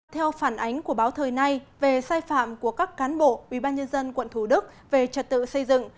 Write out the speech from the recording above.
theo phản ánh của báo thời nay về sai phạm của các cán bộ ubnd quận thủ đức về trật tự xây dựng